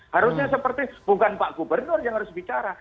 harusnya seperti bukan pak gubernur yang harus bicara